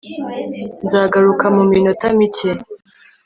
nzagaruka mu minota mike